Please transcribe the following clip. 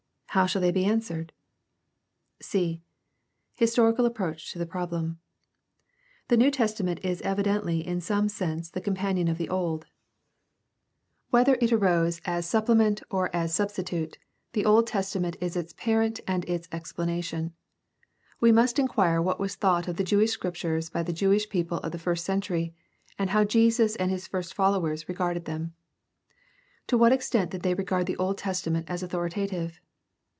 How shall they be answered ? c) Historical approach to the problem. — The New Testament is evidently in some sense the companion of the Old. Whether 2 26 GUIDE TO STUDY OF CHRISTIAN RELIGION it arose as supplement or as substitute, the Old Testament is its parent and its explanation. We must inquire what was thought of the Jewish Scriptures by the Jewish people of the first century and how Jesus and his first followers regarded them. To what extent did they regard the Old Testament as authoritative